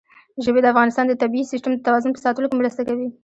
ژبې د افغانستان د طبعي سیسټم د توازن په ساتلو کې مرسته کوي.